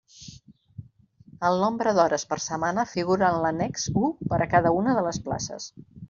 El nombre d'hores per setmana figura en l'annex u per a cada una de les places.